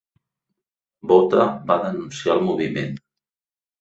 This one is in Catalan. Botha va denunciar el moviment.